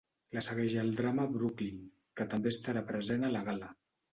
La segueix el drama ‘Brooklyn’, que també estarà present a la gala.